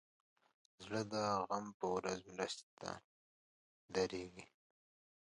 زړه د غم په ورځ مرستې ته دریږي.